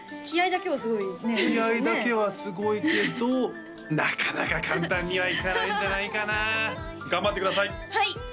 気合だけはすごいけどなかなか簡単にはいかないんじゃないかな頑張ってください